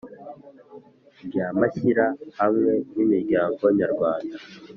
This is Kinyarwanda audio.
Ry amashyirahamwe y imiryango nyarwanda